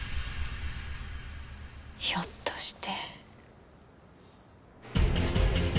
ひょっとして。